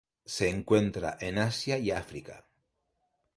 Se encuentra en Asia y África.